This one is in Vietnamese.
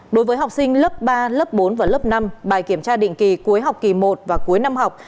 đối với học sinh lớp ba lớp bốn và lớp năm bài kiểm tra định kỳ cuối học kỳ một và cuối năm học